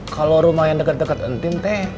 kalau rumah yang deket deket intim teh